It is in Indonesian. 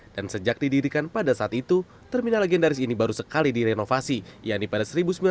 dan sejak didirikan pada saat itu terminal legendaris ini baru sekali direnovasi yani pada seribu sembilan ratus delapan puluh tujuh